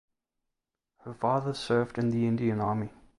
Her father served in the Indian army.